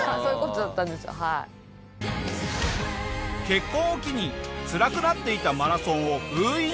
結婚を機につらくなっていたマラソンを封印。